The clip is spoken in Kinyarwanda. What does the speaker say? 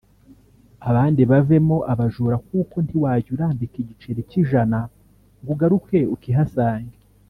abandi bavemo abajura kuko ntiwajya urambika igiceri cy’ijana ngo ugaruke ukihasange